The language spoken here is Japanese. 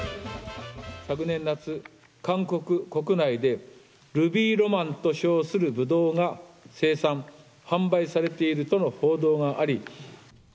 昨年夏、韓国国内で、ルビーロマンと称するブドウが、生産・販売されているとの報道があり。